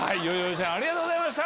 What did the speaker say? ちゃんありがとうございました。